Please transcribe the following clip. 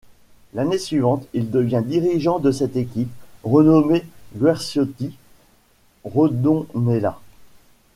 L'année suivante, il devient dirigeant de cette équipe, renommée Guerciotti-Redondela.